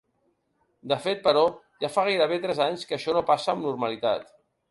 De fet, però, ja fa gairebé tres anys que això no passa amb normalitat.